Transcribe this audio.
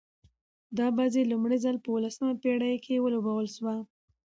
دا بازي لومړی ځل په اوولسمه پېړۍ کښي ولوبول سوه.